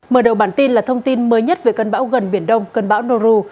mở đầu bản tin là thông tin mới nhất về cơn bão gần biển đông cơn bão noru